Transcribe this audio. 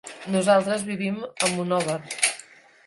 Nosaltres vivim a Monòver.